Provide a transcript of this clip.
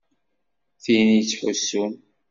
Tin yettḥusun.